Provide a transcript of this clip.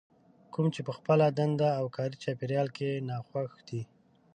کوم چې په خپله دنده او کاري چاپېريال کې ناخوښ دي.